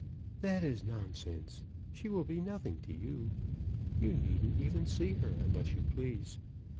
"That is nonsense. She will be nothing to you. You needn't even see her unless you please.